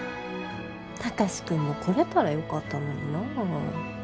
貴司君も来れたらよかったのになあ。